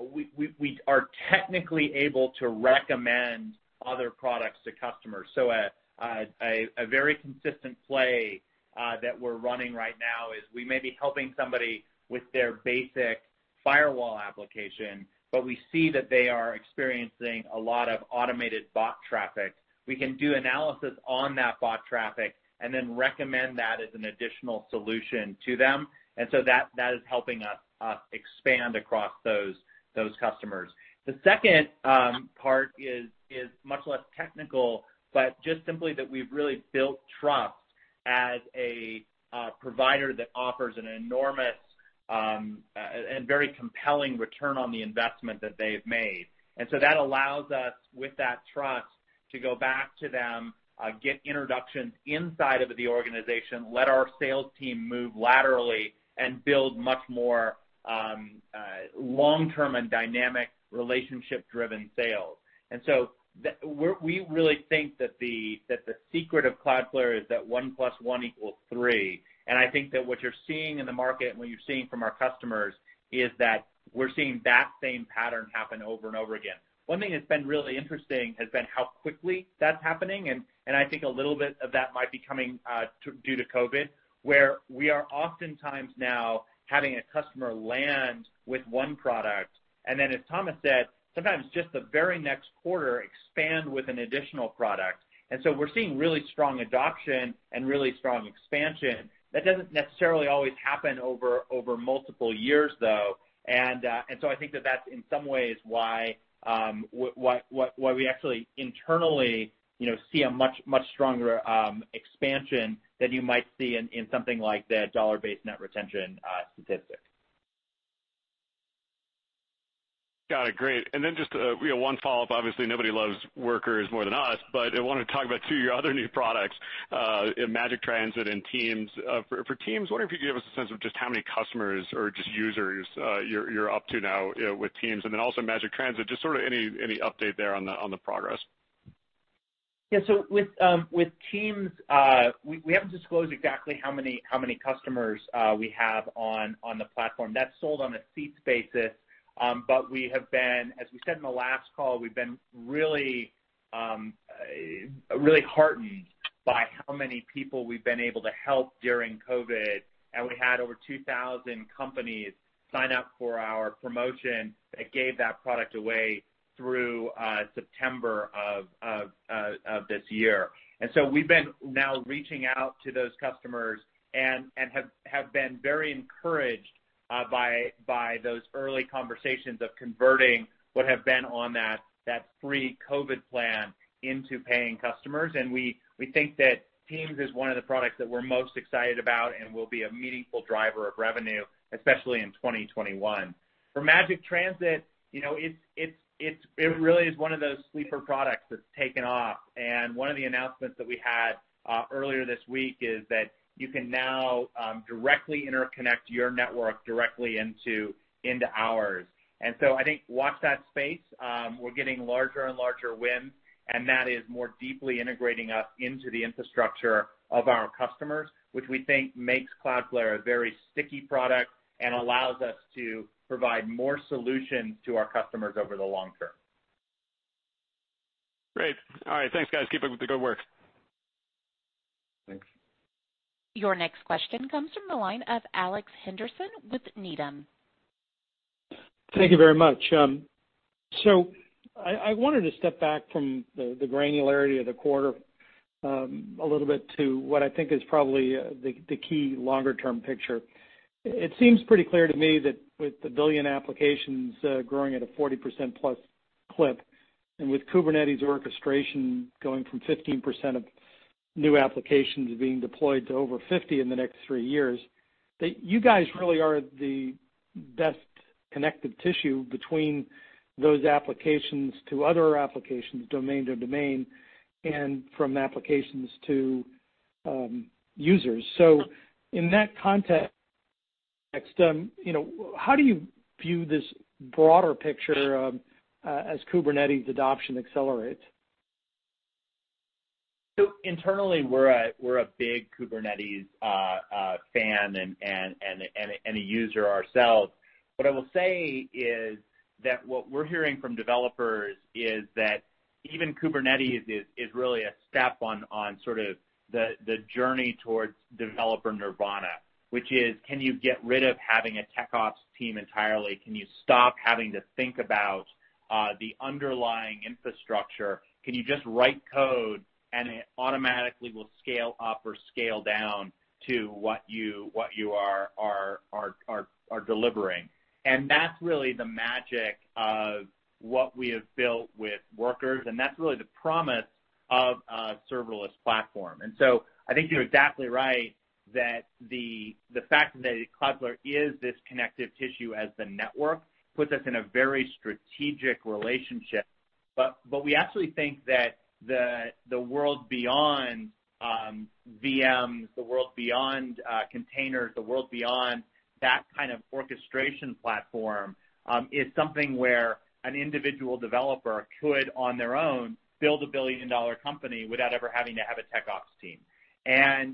we are technically able to recommend other products to customers. A very consistent play that we're running right now is we may be helping somebody with their basic firewall application, but we see that they are experiencing a lot of automated bot traffic. We can do analysis on that bot traffic and then recommend that as an additional solution to them. That is helping us expand across those customers. The second part is much less technical, but just simply that we've really built trust as a provider that offers an enormous and very compelling return on the investment that they've made. That allows us, with that trust, to go back to them, get introductions inside of the organization, let our sales team move laterally and build much more long-term and dynamic relationship-driven sales. We really think that the secret of Cloudflare is that one plus one equals three. I think that what you're seeing in the market and what you're seeing from our customers is that we're seeing that same pattern happen over and over again. One thing that's been really interesting has been how quickly that's happening. I think a little bit of that might be coming due to COVID, where we are oftentimes now having a customer land with one product, then as Thomas said, sometimes just the very next quarter expand with an additional product. We're seeing really strong adoption and really strong expansion. That doesn't necessarily always happen over multiple years, though. I think that's in some ways why we actually internally see a much stronger expansion than you might see in something like that dollar-based net retention statistic. Got it. Great. Then just one follow-up. Obviously, nobody loves Workers more than us, but I want to talk about two of your other new products, Magic Transit and Teams. For Teams, wondering if you could give us a sense of just how many customers or just users you're up to now with Teams, and then also Magic Transit, just sort of any update there on the progress. Yeah. With Teams, we haven't disclosed exactly how many customers we have on the platform. That's sold on a seats basis. We have been, as we said in the last call, we've been really heartened by how many people we've been able to help during COVID, and we had over 2,000 companies sign up for our promotion that gave that product away through September of this year. We've been now reaching out to those customers and have been very encouraged by those early conversations of converting what have been on that free COVID plan into paying customers. We think that Teams is one of the products that we're most excited about and will be a meaningful driver of revenue, especially in 2021. For Magic Transit, it really is one of those sleeper products that's taken off. One of the announcements that we had earlier this week is that you can now directly interconnect your network directly into ours. I think watch that space. We're getting larger and larger wins, and that is more deeply integrating us into the infrastructure of our customers, which we think makes Cloudflare a very sticky product and allows us to provide more solutions to our customers over the long term. Great. All right. Thanks guys. Keep up with the good work. Thanks. Your next question comes from the line of Alex Henderson with Needham. Thank you very much. I wanted to step back from the granularity of the quarter a little bit to what I think is probably the key longer-term picture. It seems pretty clear to me that with the billion applications growing at a 40%+ clip, and with Kubernetes orchestration going from 15% of new applications being deployed to over 50% in the next three years, that you guys really are the best connective tissue between those applications to other applications, domain to domain, and from applications to users. In that context, how do you view this broader picture as Kubernetes adoption accelerates? Internally, we're a big Kubernetes fan and a user ourselves. What I will say is that what we're hearing from developers is that even Kubernetes is really a step on sort of the journey towards developer nirvana, which is, can you get rid of having a tech ops team entirely? Can you stop having to think about the underlying infrastructure? Can you just write code and it automatically will scale up or scale down to what you are delivering? That's really the magic of what we have built with Workers, and that's really the promise of a serverless platform. I think you're exactly right that the fact that Cloudflare is this connective tissue as the network puts us in a very strategic relationship. We actually think that the world beyond VMs, the world beyond containers, the world beyond that kind of orchestration platform, is something where an individual developer could, on their own, build a billion-dollar company without ever having to have a tech ops team. I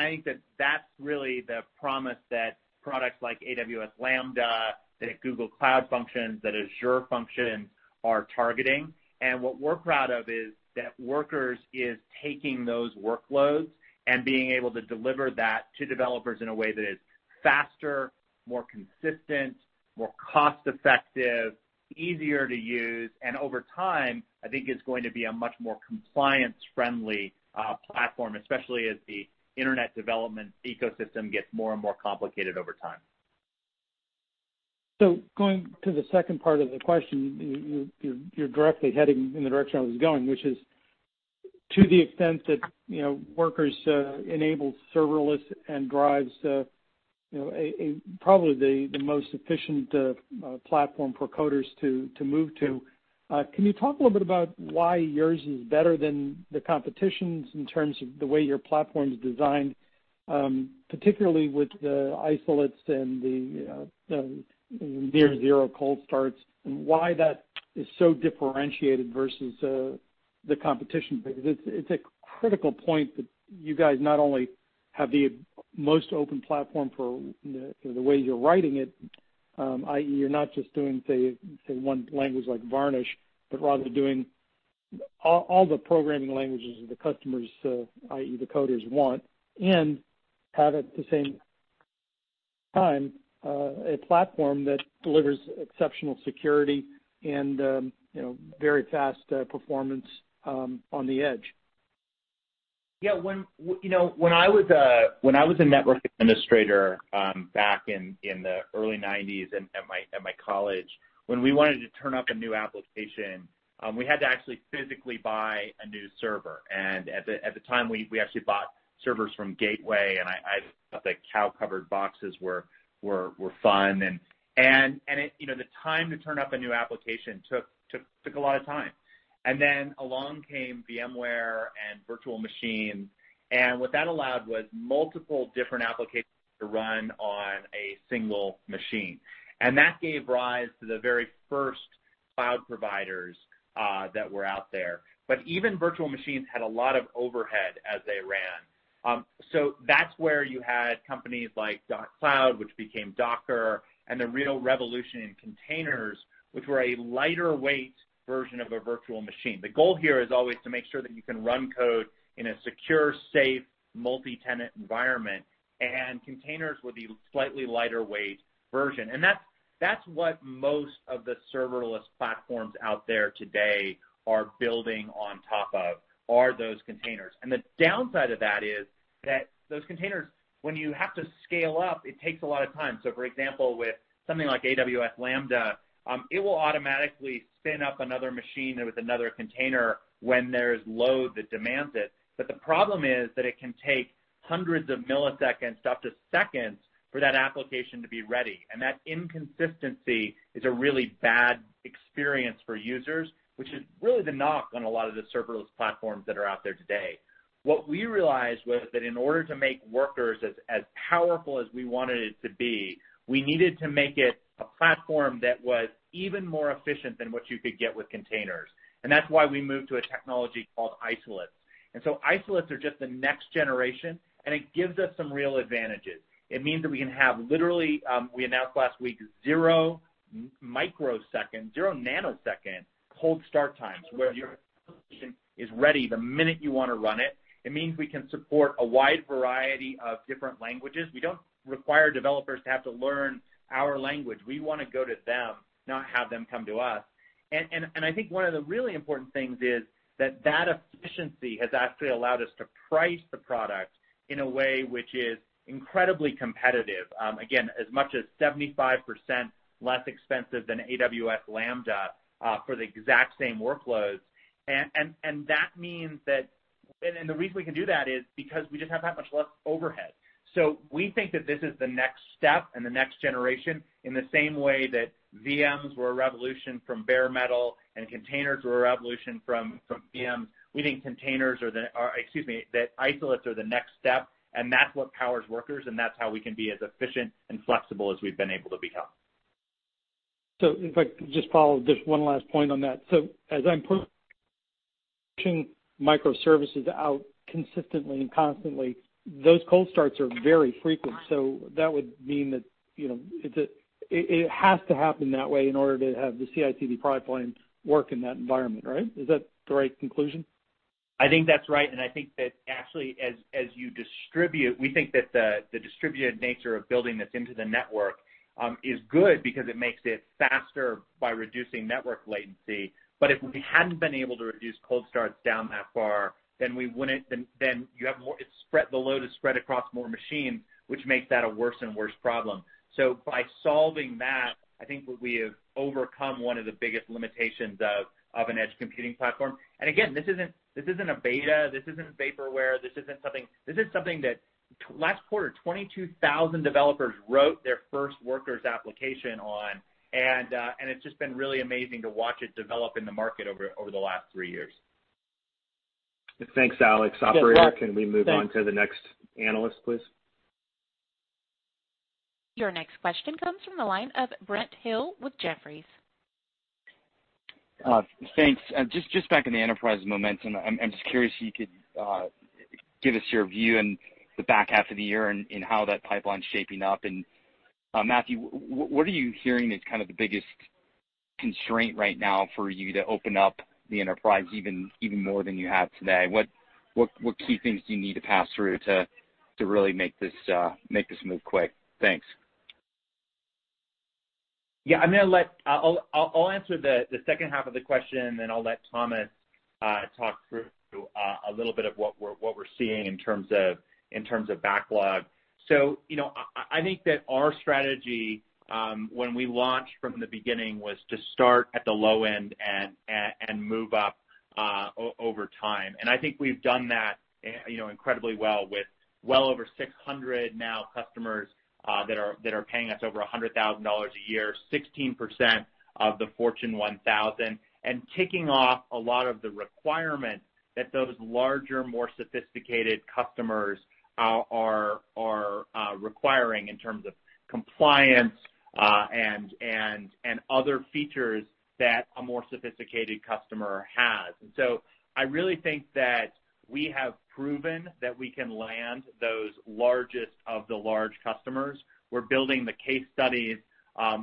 think that that's really the promise that products like AWS Lambda, that Google Cloud Functions, that Azure Functions are targeting. What we're proud of is that Workers is taking those workloads and being able to deliver that to developers in a way that is faster, more consistent, more cost-effective, easier to use, and over time, I think it's going to be a much more compliance-friendly platform, especially as the internet development ecosystem gets more and more complicated over time. Going to the second part of the question, you're directly heading in the direction I was going, which is to the extent that Workers enables serverless and drives probably the most efficient platform for coders to move to, can you talk a little bit about why yours is better than the competition's in terms of the way your platform's designed, particularly with the isolates and the near zero cold starts, and why that is so differentiated versus the competition? It's a critical point that you guys not only have the most open platform for the way you're writing it, i.e., you're not just doing, say, one language like [Varnish], but rather doing all the programming languages that the customers, i.e., the coders, want, and have at the same time a platform that delivers exceptional security and very fast performance on the edge. Yeah. When I was a network administrator back in the early 1990s at my college, when we wanted to turn up a new application, we had to actually physically buy a new server. At the time, we actually bought servers from Gateway, and I thought the cow-covered boxes were fun. The time to turn up a new application took a lot of time. Then along came VMware and virtual machines, and what that allowed was multiple different applications to run on a single machine. That gave rise to the very first cloud providers that were out there. Even virtual machines had a lot of overhead as they ran. That's where you had companies like dotCloud, which became Docker, and the real revolution in containers, which were a lighter-weight version of a virtual machine. The goal here is always to make sure that you can run code in a secure, safe, multi-tenant environment, and containers were the slightly lighter-weight version. That's what most of the serverless platforms out there today are building on top of, are those containers. The downside of that is that those containers, when you have to scale up, it takes a lot of time. For example, with something like AWS Lambda, it will automatically spin up another machine with another container when there's load that demands it. The problem is that it can take hundreds of milliseconds, up to seconds, for that application to be ready. That inconsistency is a really bad experience for users, which is really the knock on a lot of the serverless platforms that are out there today. What we realized was that in order to make Workers as powerful as we wanted it to be, we needed to make it a platform that was even more efficient than what you could get with containers. That's why we moved to a technology called isolates. Isolates are just the next generation, and it gives us some real advantages. It means that we can have literally, we announced last week, 0 microsecond, 0 nanosecond cold start times where your application is ready the minute you want to run it. It means we can support a wide variety of different languages. We don't require developers to have to learn our language. We want to go to them, not have them come to us. I think one of the really important things is that efficiency has actually allowed us to price the product in a way which is incredibly competitive, again, as much as 75% less expensive than AWS Lambda for the exact same workloads. The reason we can do that is because we just have that much less overhead. We think that this is the next step and the next generation in the same way that VMs were a revolution from bare metal and containers were a revolution from VMs. We think that isolates are the next step, and that's what powers Workers, and that's how we can be as efficient and flexible as we've been able to become. If I could just follow just one last point on that? As I'm pushing microservices out consistently and constantly, those cold starts are very frequent. That would mean that it has to happen that way in order to have the CI/CD pipelines work in that environment, right? Is that the right conclusion? I think that's right. I think that actually, as you distribute, we think that the distributed nature of building this into the network is good because it makes it faster by reducing network latency. If we hadn't been able to reduce cold starts down that far, then the load is spread across more machines, which makes that a worse and worse problem. By solving that, I think we have overcome one of the biggest limitations of an edge computing platform. Again, this isn't a beta, this isn't vaporware. This is something that last quarter, 22,000 developers wrote their first Workers application on. It's just been really amazing to watch it develop in the market over the last three years. Thanks, Alex. You bet. Operator, can we move on to the next analyst, please? Your next question comes from the line of Brent Thill with Jefferies. Thanks. Just back on the enterprise momentum. I'm just curious if you could give us your view in the back half of the year and how that pipeline's shaping up. Matthew, what are you hearing is kind of the biggest constraint right now for you to open up the enterprise even more than you have today? What key things do you need to pass through to really make this move quick? Thanks. Yeah, I'll answer the second half of the question, then I'll let Thomas Seifert talk through a little bit of what we're seeing in terms of backlog. I think that our strategy, when we launched from the beginning, was to start at the low end and move up over time. I think we've done that incredibly well with well over 600 now customers that are paying us over $100,000 a year, 16% of the Fortune 1000, and ticking off a lot of the requirements that those larger, more sophisticated customers are requiring in terms of compliance, and other features that a more sophisticated customer has. I really think that we have proven that we can land those largest of the large customers. We're building the case studies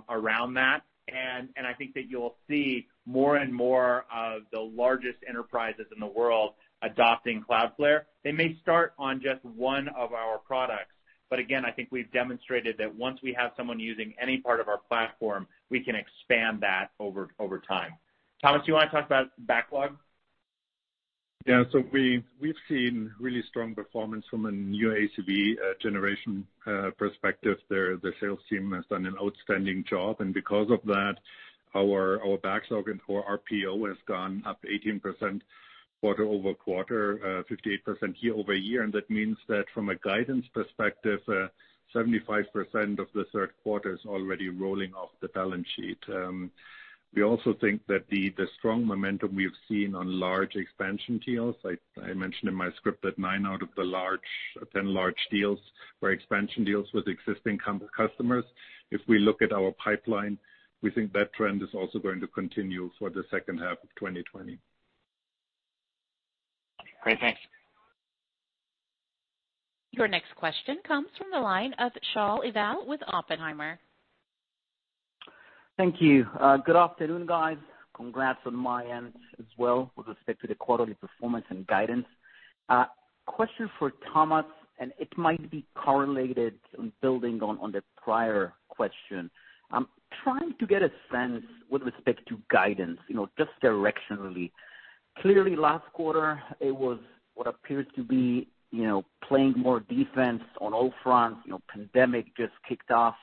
around that, and I think that you'll see more and more of the largest enterprises in the world adopting Cloudflare. They may start on just one of our products, but again, I think we've demonstrated that once we have someone using any part of our platform, we can expand that over time. Thomas, do you want to talk about backlog? Yeah. We've seen really strong performance from a new ACV generation perspective. The sales team has done an outstanding job. Because of that, our backlog and our PO has gone up 18% quarter-over-quarter, 58% year-over-year. That means that from a guidance perspective, 75% of the third quarter's already rolling off the balance sheet. We also think that the strong momentum we have seen on large expansion deals, I mentioned in my script that nine out of the 10 large deals were expansion deals with existing customers. If we look at our pipeline, we think that trend is also going to continue for the second half of 2020. Great. Thanks. Your next question comes from the line of Shaul Eyal with Oppenheimer. Thank you. Good afternoon, guys. Congrats on my end as well with respect to the quarterly performance and guidance. Question for Thomas, and it might be correlated on building on the prior question. I'm trying to get a sense with respect to guidance, just directionally. Clearly, last quarter, it was what appears to be playing more defense on all fronts. Pandemic just kicked off.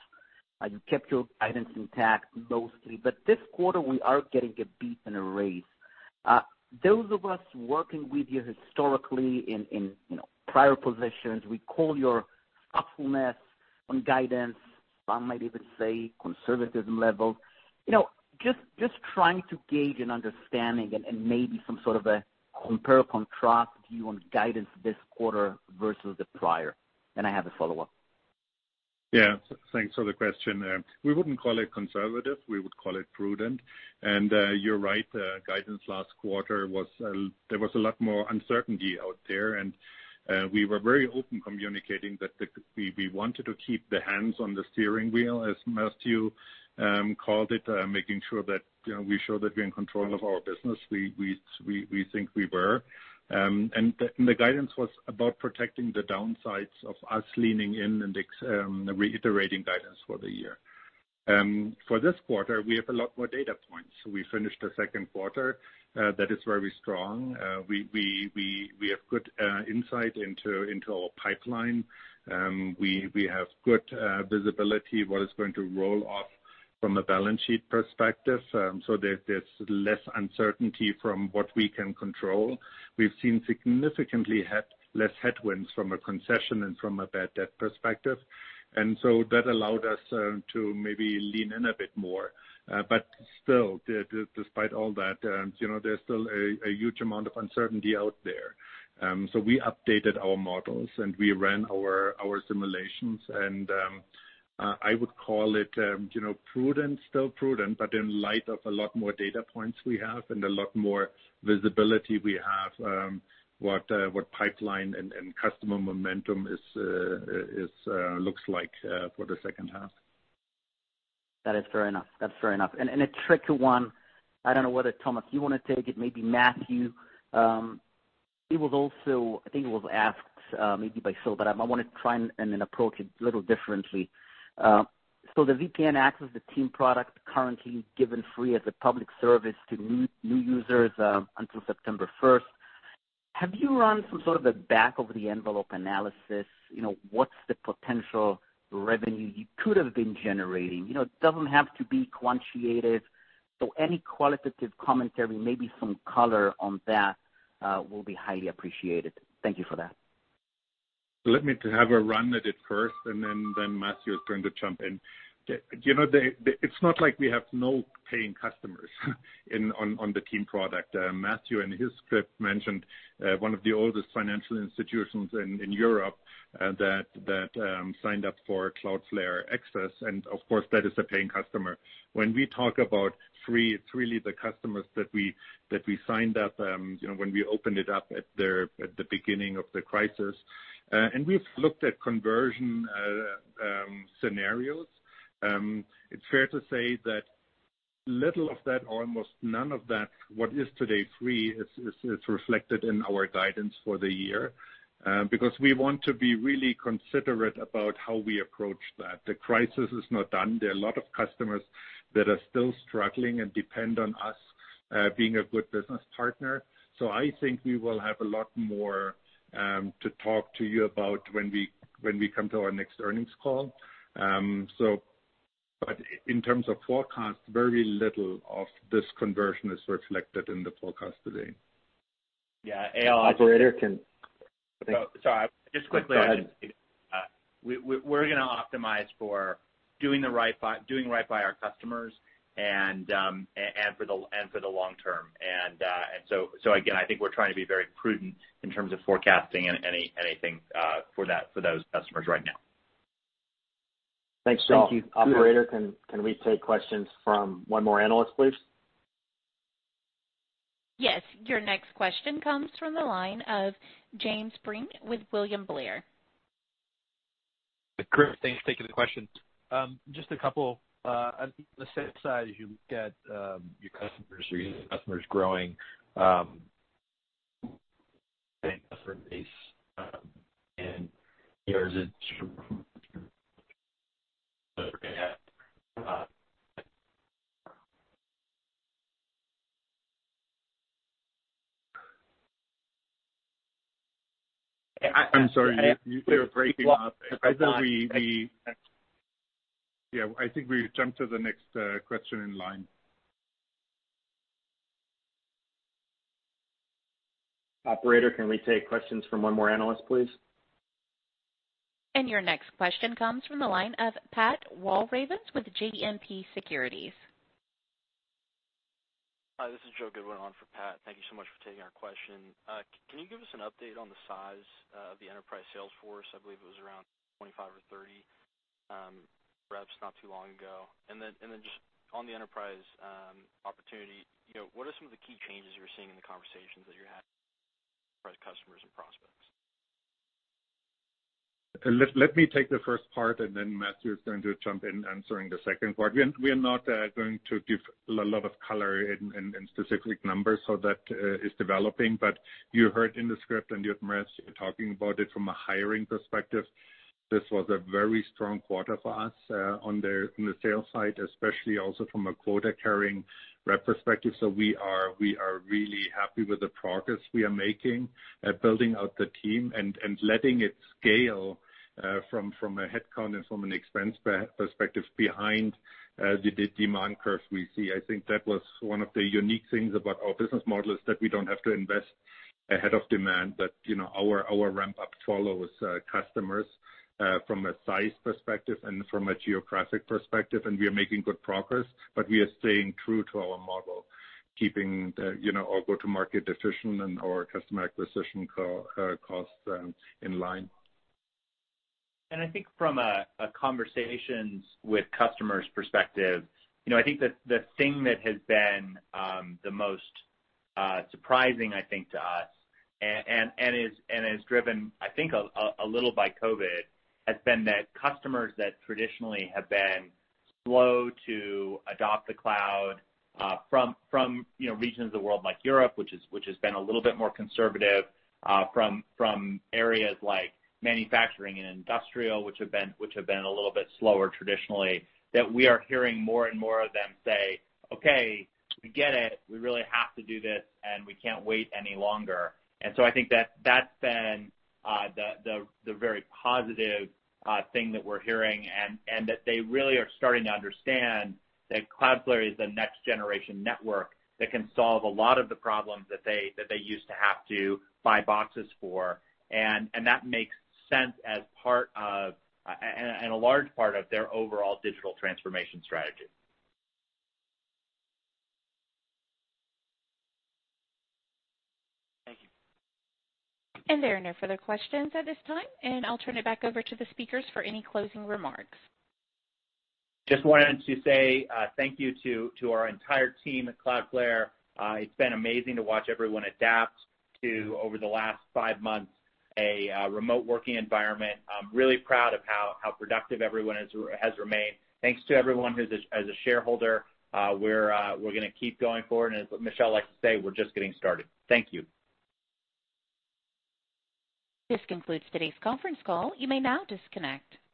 You kept your guidance intact mostly. This quarter, we are getting a beat and a raise. Those of us working with you historically in prior positions, we call your thoughtfulness on guidance, some might even say conservatism level. Just trying to gauge an understanding and maybe some sort of a compare or contrast view on guidance this quarter versus the prior. I have a follow-up. Yeah. Thanks for the question. We wouldn't call it conservative. We would call it prudent. You're right, guidance last quarter, there was a lot more uncertainty out there, and we were very open communicating that we wanted to keep the hands on the steering wheel, as Matthew called it, making sure that we show that we're in control of our business. We think we were. The guidance was about protecting the downsides of us leaning in and reiterating guidance for the year. For this quarter, we have a lot more data points. We finished the second quarter that is very strong. We have good insight into our pipeline. We have good visibility what is going to roll off from a balance sheet perspective, so there's less uncertainty from what we can control. We've seen significantly less headwinds from a concession and from a bad debt perspective. That allowed us to maybe lean in a bit more. Still, despite all that, there's still a huge amount of uncertainty out there. We updated our models, and we ran our simulations and I would call it prudent, still prudent, but in light of a lot more data points we have and a lot more visibility we have, what pipeline and customer momentum looks like for the second half. That is fair enough. A trickier one, I don't know whether, Thomas, you want to take it, maybe Matthew. It was also, I think it was asked, maybe by Phil, but I want to try and then approach it a little differently. The VPN access, the Team product currently given free as a public service to new users until September 1st. Have you run some sort of a back of the envelope analysis? What's the potential revenue you could have been generating? It doesn't have to be quantitated. Any qualitative commentary, maybe some color on that will be highly appreciated. Thank you for that. Let me have a run at it first, then Matthew is going to jump in. It's not like we have no paying customers on the Team product. Matthew, in his script, mentioned one of the oldest financial institutions in Europe that signed up for Cloudflare Access, and of course, that is a paying customer. When we talk about free, it's really the customers that we signed up when we opened it up at the beginning of the crisis. We've looked at conversion scenarios. It's fair to say that little of that, or almost none of that, what is today free, is reflected in our guidance for the year because we want to be really considerate about how we approach that. The crisis is not done. There are a lot of customers that are still struggling and depend on us being a good business partner. I think we will have a lot more to talk to you about when we come to our next earnings call. In terms of forecast, very little of this conversion is reflected in the forecast today. Yeah. Operator. Sorry, just quickly. Go ahead. We're going to optimize for doing right by our customers and for the long term. Again, I think we're trying to be very prudent in terms of forecasting anything for those customers right now. Thanks, Shaul. Thank you. Operator, can we take questions from one more analyst, please? Yes. Your next question comes from the line of James Breen with William Blair. Thanks. Thank you for the questions. Just a couple. On the sales side, as you looked at your customers growing, customer base, is it. <audio distortion> I'm sorry. You're breaking up. How about we, yeah, I think we jump to the next question in line. Operator, can we take questions from one more analyst, please? Your next question comes from the line of Pat Walravens with JMP Securities. Hi, this is Joe Goodwin on for Pat. Thank you so much for taking our question. Can you give us an update on the size of the enterprise sales force? I believe it was around 25 or 30 reps not too long ago. Then just on the enterprise opportunity, what are some of the key changes you're seeing in the conversations that you're having with enterprise customers and prospects? Let me take the first part, and then Matthew is going to jump in answering the second part. We are not going to give a lot of color and specific numbers, so that is developing, but you heard in the script, and you heard Matthew talking about it from a hiring perspective. This was a very strong quarter for us on the sales side, especially also from a quota-carrying rep perspective. We are really happy with the progress we are making at building out the team and letting it scale from a headcount and from an expense perspective behind the demand curve we see. I think that was one of the unique things about our business model is that we don't have to invest ahead of demand. That our ramp-up follows customers, from a size perspective and from a geographic perspective, and we are making good progress. We are staying true to our model, keeping our go-to-market efficient and our customer acquisition costs in line. From a conversations with customers perspective, I think the thing that has been the most surprising to us, and is driven a little by COVID, has been that customers that traditionally have been slow to adopt the cloud from regions of the world like Europe, which has been a little bit more conservative. From areas like manufacturing and industrial, which have been a little bit slower traditionally, that we are hearing more and more of them say, "Okay, we get it. We really have to do this, and we can't wait any longer." I think that's been the very positive thing that we're hearing, and that they really are starting to understand that Cloudflare is the next generation network that can solve a lot of the problems that they used to have to buy boxes for. That makes sense and a large part of their overall digital transformation strategy. Thank you. There are no further questions at this time, and I'll turn it back over to the speakers for any closing remarks. Just wanted to say thank you to our entire team at Cloudflare. It's been amazing to watch everyone adapt to, over the last five months, a remote working environment. I'm really proud of how productive everyone has remained. Thanks to everyone as a shareholder. We're going to keep going forward, and as Michelle likes to say, we're just getting started. Thank you. This concludes today's conference call. You may now disconnect.